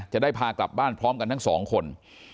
จะได้พากลับบ้านพร้อมกันทั้งสองคน